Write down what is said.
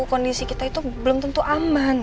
kondisi kita itu belum tentu aman